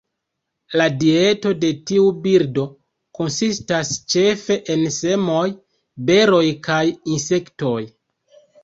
La dieto de tiu birdo konsistas ĉefe el semoj, beroj kaj insektoj.